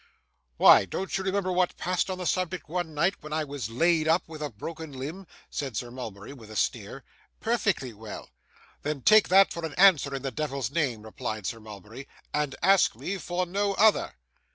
'Why, don't you remember what passed on the subject one night, when I was laid up with a broken limb?' said Sir Mulberry, with a sneer. 'Perfectly well.' 'Then take that for an answer, in the devil's name,' replied Sir Mulberry, 'and ask me for no other.